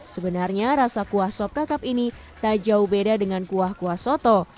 sebenarnya rasa kuah sop kakak ini tak jauh beda dengan kuah kuah soto